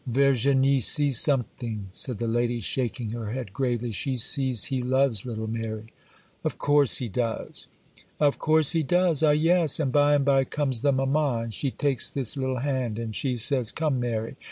'Virginie sees something!' said the lady, shaking her head gravely; 'she sees he loves little Mary.' 'Of course he does!' 'Of course he does?—ah, yes; and by and by comes the mamma, and she takes this little hand, and she says, "Come, Mary!"